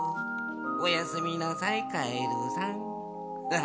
おやすみなさいカエルさんハハハ。